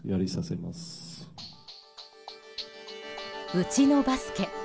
うちのバスケ。